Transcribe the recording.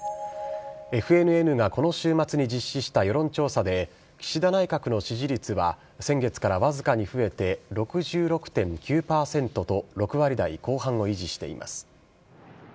ＦＮＮがこの週末に実施した世論調査で、岸田内閣の支持率は、先月から僅かに増えて６６．９％と６割台後半を維持しています。